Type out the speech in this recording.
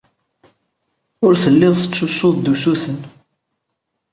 Ur tellid tettessud-d usuten.